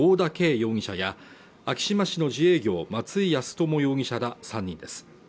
容疑者や昭島市の自営業松井康友容疑者ら３人です